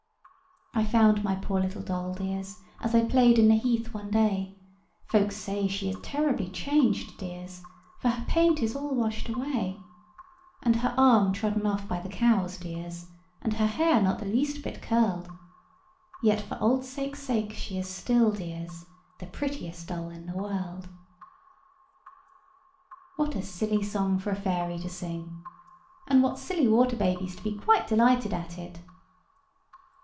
[Picture: The broken doll] I found my poor little doll, dears, As I played in the heath one day: Folks say she is terribly changed, dears, For her paint is all washed away, And her arm trodden off by the cows, dears, And her hair not the least bit curled: Yet, for old sakes' sake she is still, dears, The prettiest doll in the world. What a silly song for a fairy to sing! And what silly water babies to be quite delighted at it!